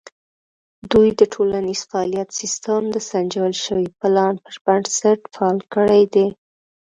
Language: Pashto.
دوی د ټولنیز فعالیت سیستم د سنجول شوي پلان پر بنسټ فعال کړی دی.